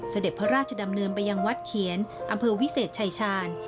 เสด็จพระราชดำเนินไปยังวัดเขียนอำเภอวิเศษชายชาญ